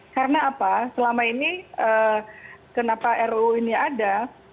karena apa selama ini kenapa ruu ini ada